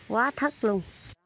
quá thất luôn